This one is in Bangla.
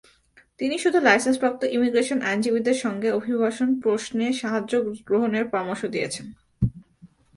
তিনি শুধু লাইসেন্সপ্রাপ্ত ইমিগ্রেশন আইনজীবীদের সঙ্গে অভিবাসন প্রশ্নে সাহায্য গ্রহণের পরামর্শ দিয়েছেন।